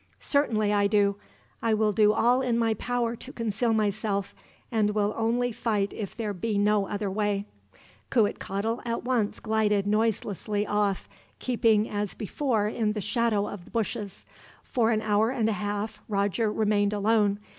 "Certainly I do. I will do all in my power to conceal myself, and will only fight if there be no other way." Cuitcatl at once glided noiselessly off, keeping as before in the shadow of the bushes. For an hour and a half Roger remained alone.